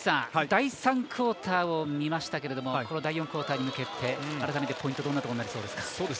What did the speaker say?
第３クオーターを見ましたけども第４クオーターに向けて改めてポイントどんなところになりそうですか。